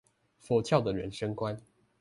佛教的人生觀